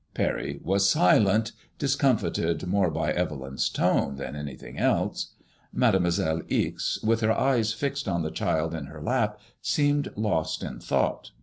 Parry was silent, discomfited lOS MADSMOISBIJJB IXB. more by £vel3m'8 tone than anything else. Mademoiselle Ixe, with her eyes fixed on the child in her lap, seemed lost in thought.